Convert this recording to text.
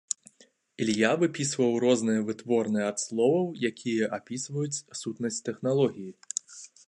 Ілья выпісваў розныя вытворныя ад словаў, якія апісваюць сутнасць тэхналогіі.